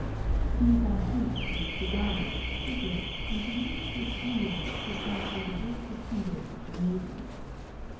These are heaped with cigars, cigarettes, and diminutive buyos prepared by the delicate fingers of the maidens.